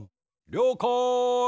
りょうかい。